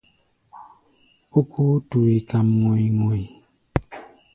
Ókóo túí kam ŋɔ̧i̧-ŋɔ̧i̧.